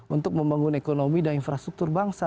untuk membangun ekonomi dan infrastruktur bangsa